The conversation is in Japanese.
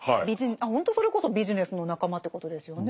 ほんとそれこそビジネスの仲間ってことですよね。